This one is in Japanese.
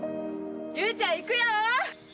雄ちゃん行くよ！